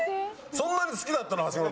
そんなに好きだったの？